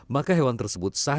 maka hewan tersebut syah